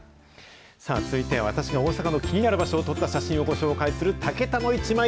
さあ、続いては、私が大阪の気になる場所を撮った写真をご紹介する、タケタのイチマイ。